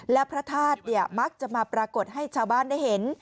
และพระธาตุมักจะมาปรากฏให้ชาวบ้านได้เห็น